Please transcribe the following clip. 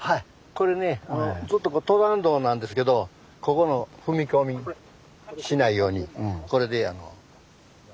これねずっと登山道なんですけどここの踏み込みしないようにこれで。